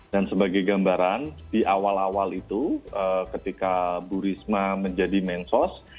dan sebagai gambaran di awal awal itu ketika burisma menjadi mensos